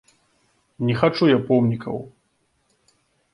Не хачу я помнікаў.